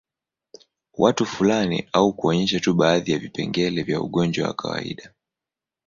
Watu fulani au kuonyesha tu baadhi ya vipengele vya ugonjwa wa kawaida